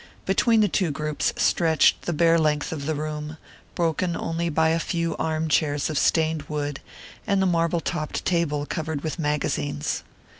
Between the two groups stretched the bare length of the room, broken only by a few arm chairs of stained wood, and the marble topped table covered with magazines.